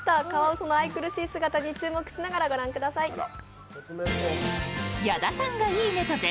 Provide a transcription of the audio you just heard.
カワウソの愛くるしい姿に注目しながら御覧ください。